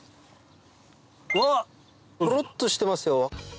うわドロっとしてますよ。